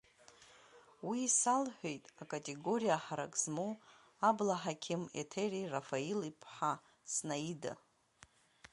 Уи салҳәеит акатегориа ҳарак змоу аблаҳақьым Еҭери Рафаил-иԥҳа Сниада…